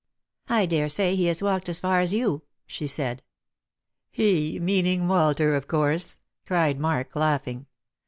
" I daresay he has walked as far as you," she said. "'He' meaning Walter, of course," cried Mark, laughing.